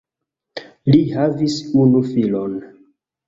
Li havis unu filon.